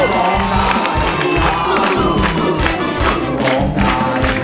ล้องได้ไอ้ล้าง